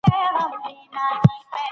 بې خوبۍ ډیر لاملونه لري.